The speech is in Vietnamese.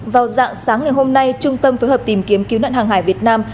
vào dạng sáng ngày hôm nay trung tâm phối hợp tìm kiếm cứu nạn hàng hải việt nam